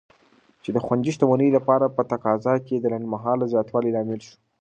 چې د خوندي شتمنیو لپاره په تقاضا کې د لنډمهاله زیاتوالي لامل شو.